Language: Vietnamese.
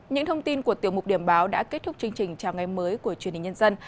những thông tin của tiểu mục điểm báo đã kết thúc chương trình chào ngày mới của truyền hình nhân dân